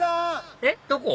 えっどこ？